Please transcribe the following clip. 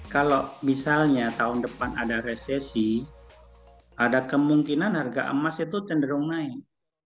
kalau misalnya tahun depan ada resesi ada kemungkinan harga emas itu cenderung naik